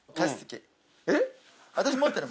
えっ。